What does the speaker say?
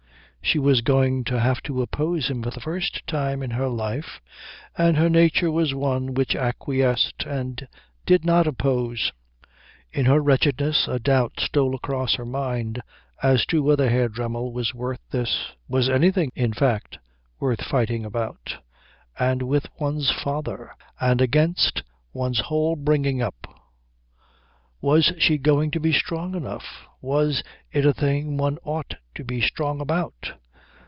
She was going to have to oppose him for the first time in her life, and her nature was one which acquiesced and did not oppose. In her wretchedness a doubt stole across her mind as to whether Herr Dremmel was worth this; was anything, in fact, worth fighting about? And with one's father. And against one's whole bringing up. Was she going to be strong enough? Was it a thing one ought to be strong about?